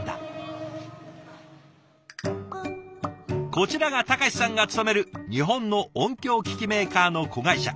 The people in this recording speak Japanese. こちらが貴さんが勤める日本の音響機器メーカーの子会社。